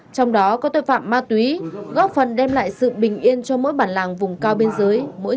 trong đó có tội phạm ma túy góp phần đem lại sự bình yên cho mỗi bản làng vùng cao biên giới